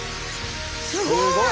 すごい！